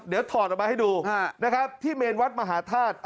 เดี๋ยวถอดออกมาให้ดูนะครับที่เมนวัดมหาธาตุ